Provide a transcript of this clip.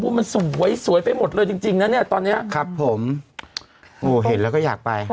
เลยจริงจริงนะเนี่ยตอนเนี้ยครับผมโอ้เห็นแล้วก็อยากไป